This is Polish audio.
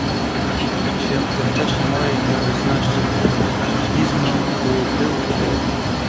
"Czy się kto w czasie mojej nieobecności wślizgnął i tu ukrył?"